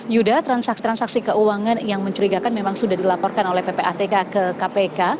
yuda transaksi transaksi keuangan yang mencurigakan memang sudah dilaporkan oleh ppatk ke kpk